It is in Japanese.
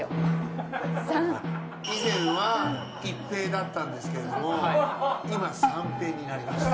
以前はいっ平だったんですけども今三平になりました。